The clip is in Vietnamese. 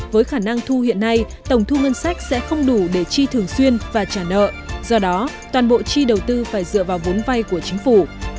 với khả năng thu hiện nay tổng thu ngân sách sẽ không đủ để chi thường xuyên và trả nợ do đó toàn bộ chi đầu tư phải dựa vào vốn vay của chính phủ